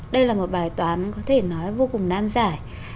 đây là một bài toán có thể nói vô cùng nan giải